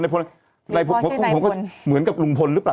หรือพ่อชื่อนายพนเหมือนกับลุงพนหรือเปล่า